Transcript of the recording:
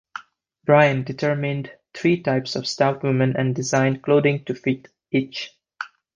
Bryant determined three types of stout women and designed clothing to fit each.